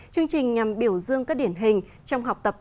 chương trình nhằm biểu dương các điển hình trong học tập